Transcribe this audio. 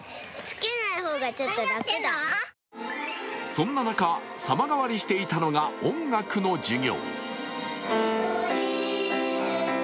そんな中、様変わりしていたのが音楽の授業。